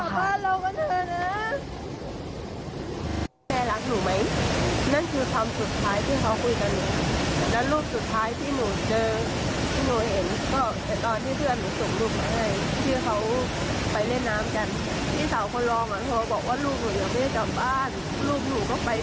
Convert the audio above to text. แม่รักหนูไหมนั่นคือคำสุดท้ายที่เขาคุยกัน